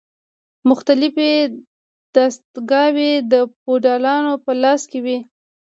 مختلفې دستګاوې د فیوډالانو په لاس کې وې.